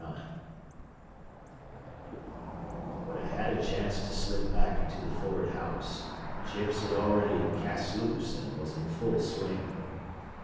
IX When I had a chance to slip back into the forward house, Chips had already "cast loose" and was in full swing.